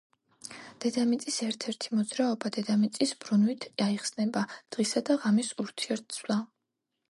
დედამიწის ერთ-ერთი მოძრაობა. დედამიწის ბრუნვით აიხსნება დღისა და ღამის ურთიერთცვლა